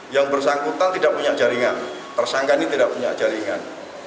yang bersangkutan tidak punya jaringan tersangka ini tidak punya jaringan